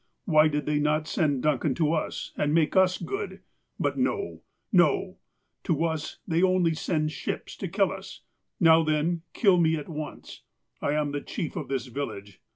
Why did they not send Duncan to us, and make us good ? But no ! no ! To us they only send ships to kill us. K'ow, then, kill me at once. I am the chief of this vil lage.